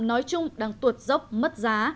nói chung đang tuột dốc mất giá